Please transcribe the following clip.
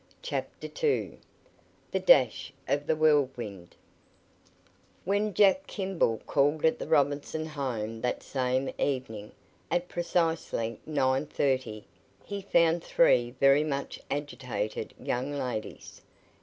CHAPTER II THE DASH OF THE WHIRLWIND When Jack Kimball called at the Robinson home that same evening, at precisely nine thirty, he found three very much agitated young ladies.